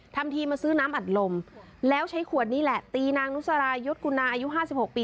ทำทีมาซื้อน้ำอัดลมแล้วใช้ขวดนี้แหละตีนางนุสรายุทธ์กุณาอายุ๕๖ปี